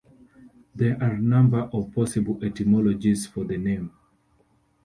There are a number of possible etymologies for the name.